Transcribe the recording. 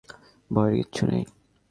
ভয়ের কিচ্ছু নেই!